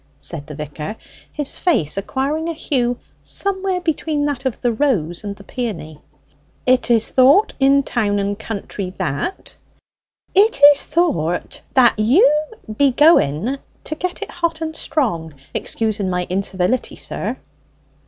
said the vicar, his face acquiring a hue somewhere between that of the rose and the peony. "Well, 'It is thought in town and country that '" "It is thought that you be going to get it hot and strong! excusen my incivility, sir."